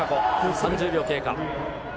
３０秒経過。